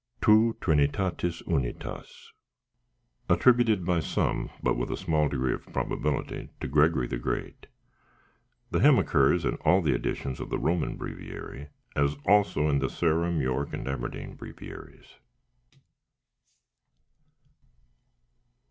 TU TRINITATIS UNITAS Attributed by some, but with a small degree of probability, to Gregory the Great. The hymn occurs in all the editions of the Roman Breviary, as also in the Sarum, York, and Aberdeen Breviaries.